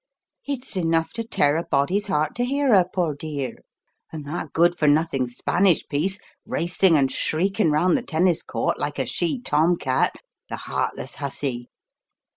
"It's enough to tear a body's heart to hear her, poor dear. And that good for nothing Spanish piece racing and shrieking round the tennis court like a she tom cat, the heartless hussy.